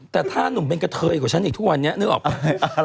แต่ถ้าเป็นหนุ่มโขแทนกว่าฉันอีกทั่ววันนี้นึกออกไหม